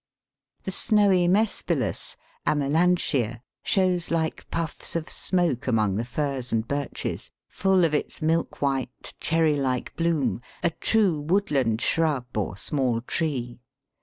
The snowy Mespilus (Amelanchier) shows like puffs of smoke among the firs and birches, full of its milk white, cherry like bloom a true woodland shrub or small tree.